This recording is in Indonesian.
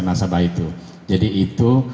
masyarakat itu jadi itu